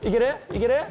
いける？